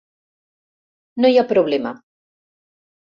No hi ha problema.